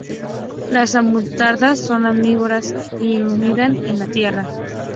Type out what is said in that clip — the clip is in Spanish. Las avutardas son omnívoras y anidan en la tierra.